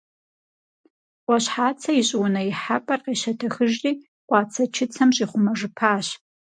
Ӏуащхьацэ и щӀыунэ ихьэпӀэр къещэтэхыжри, къуацэчыцэм щӀихъумэжыпащ.